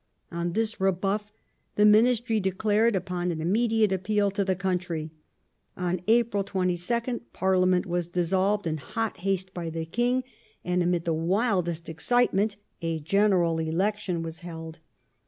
On this rebuff the Ministry decided upon an immediate appeal to the country ; on April 22nd Parliament was dissolved in hot haste by the King, and amid the wildest excitement a Genei .il Election was held.